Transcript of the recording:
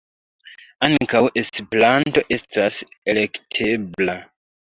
Ankaŭ Esperanto estas elektebla.